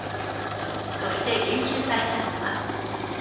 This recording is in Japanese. そして言及されたのは。